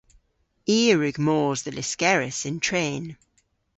I a wrug mos dhe Lyskerrys yn tren.